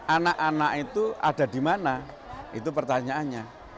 anak anak itu ada di mana itu pertanyaannya